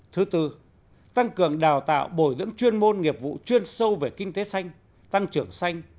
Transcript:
thứ tư tăng cường đào tạo bồi dưỡng chuyên môn nghiệp vụ chuyên sâu về kinh tế xanh tăng trưởng xanh